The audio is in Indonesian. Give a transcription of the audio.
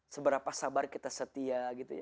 seberapa sabar kita setia